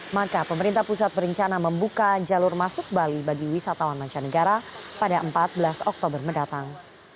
maka pemerintah pusat berencana membuka jalur masuk bali bagi wisatawan mancanegara pada empat belas oktober mendatang